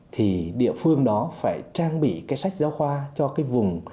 thì địa phương đó phải trang bị cái sách giáo khoa cho cái vùng